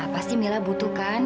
pasti mila butuhkan